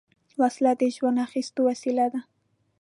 وسله د ژوند اخیستو وسیله ده